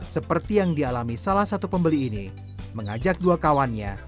seperti yang dialami salah satu pembeli ini mengajak dua kawannya